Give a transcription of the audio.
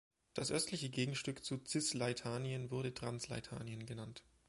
Das östliche Gegenstück zu Cisleithanien wurde Transleithanien genannt.